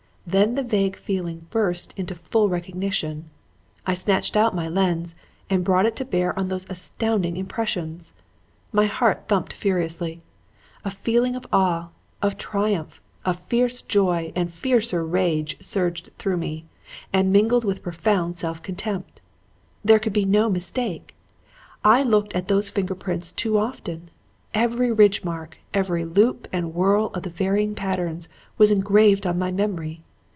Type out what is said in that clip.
Then the vague feeling burst into full recognition. I snatched out my lens and brought it to bear on those astounding impressions. My heart thumped furiously. A feeling of awe, of triumph, of fierce joy and fiercer rage surged through me, and mingled with profound self contempt. "There could be no mistake. I had looked at those finger prints too often. Every ridge mark, every loop and whorl of the varying patterns was engraved on my memory.